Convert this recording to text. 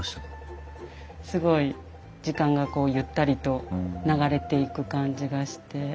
すごい時間がゆったりと流れていく感じがして。